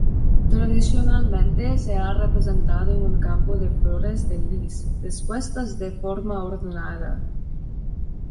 Tradicionalmente, se ha representado un campo de flores de lis, dispuestas de forma ordenada.